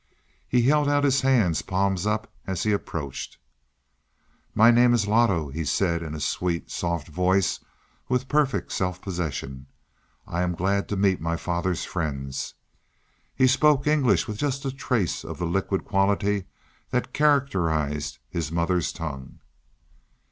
He held out his hands palms up as he approached. "My name is Loto," he said in a sweet, soft voice, with perfect self possession. "I'm glad to meet my father's friends." He spoke English with just a trace of the liquid quality that characterized his mother's tongue.